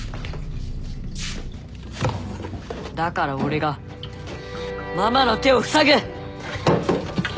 だから俺がママの手をふさぐ。